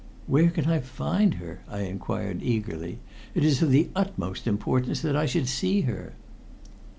"Where can I find her?" I inquired eagerly. "It is of the utmost importance that I should see her."